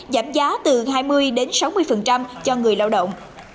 giảm giá từ hai mươi đến sáu mươi cho người lao động